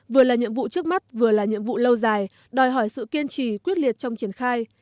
vừa là nhiệm vụ trước mắt vừa là nhiệm vụ lâu dài đòi hỏi sự kiên trì quyết liệt trong triển khai